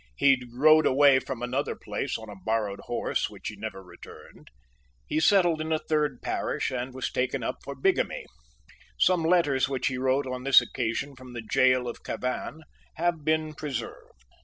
He rode away from another place on a borrowed horse, which he never returned. He settled in a third parish, and was taken up for bigamy. Some letters which he wrote on this occasion from the gaol of Cavan have been preserved.